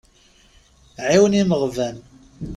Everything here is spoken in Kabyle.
Ɛiwen imeɣban.